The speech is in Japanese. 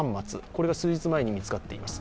これが数日前に見つかっています。